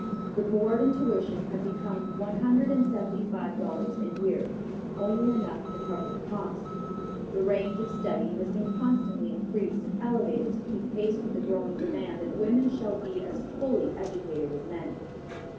The board and tuition have become one hundred and seventy five dollars a year, only enough to cover the cost. The range of study has been constantly increased and elevated to keep pace with the growing demand that women shall be as fully educated as men.